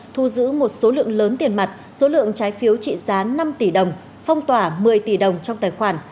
thu giữ một số lượng lớn tiền mặt số lượng trái phiếu trị giá năm tỷ đồng phong tỏa một mươi tỷ đồng trong tài khoản